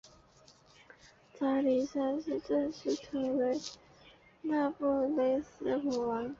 查理三世正式成为那不勒斯国王。